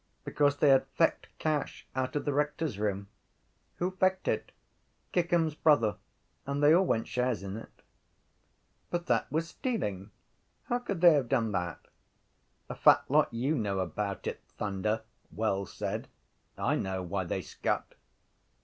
Because they had fecked cash out of the rector’s room. —Who fecked it? —Kickham’s brother. And they all went shares in it. —But that was stealing. How could they have done that? —A fat lot you know about it, Thunder! Wells said. I know why they scut.